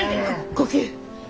呼吸。